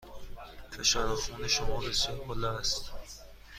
فشار خون شما بسیار بالا است.